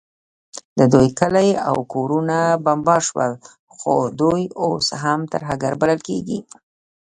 د دوی کلي او کورونه بمبار سول، خو دوی اوس هم ترهګر بلل کیږي